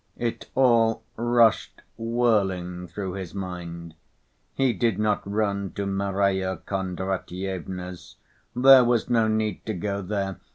... It all rushed whirling through his mind. He did not run to Marya Kondratyevna's. "There was no need to go there